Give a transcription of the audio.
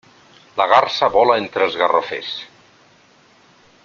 La garsa vola entre els garrofers.